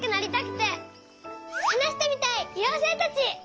はなしてみたいようせいたち。